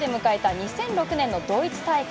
２００６年のドイツ大会。